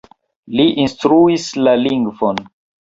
Li instruis la lingvon.